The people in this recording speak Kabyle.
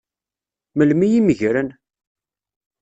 Melmi i meggren?